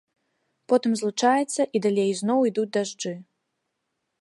Потым злучаецца, і далей ізноў ідуць дажджы.